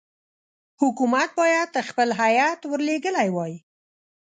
حکومت باید خپل هیات ورلېږلی وای.